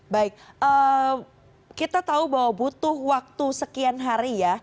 baik kita tahu bahwa butuh waktu sekian hari ya